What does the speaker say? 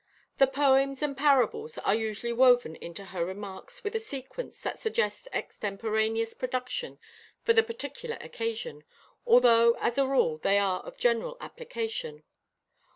The poems and parables are usually woven into her remarks with a sequence that suggests extemporaneous production for the particular occasion, although as a rule they are of general application.